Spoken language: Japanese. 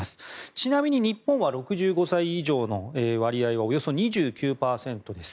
ちなみに日本は６５歳以上の割合はおよそ２９％です。